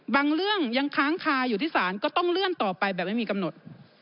เรื่องยังค้างคาอยู่ที่ศาลก็ต้องเลื่อนต่อไปแบบไม่มีกำหนด